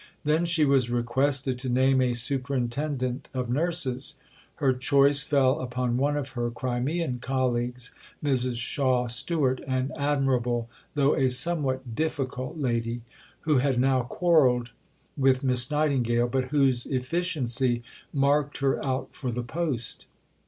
Then she was requested to name a Superintendent of nurses. Her choice fell upon one of her Crimean colleagues, Mrs. Shaw Stewart, an admirable, though a somewhat "difficult" lady, who had now quarrelled with Miss Nightingale, but whose efficiency marked her out for the post.